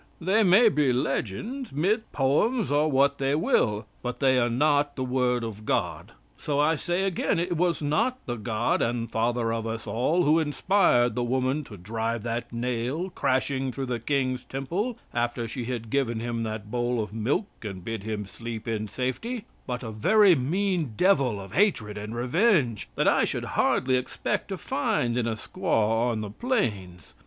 "They may be legends, myths, poems, or what they will, but they are not the Word of God. So I say again, it was not the God and Father of us all who inspired the woman to drive that nail crashing through the king's temple after she had given him that bowl of milk and bid him sleep in safety, but a very mean Devil of hatred and revenge that I should hardly expect to find in a squaw on the plains.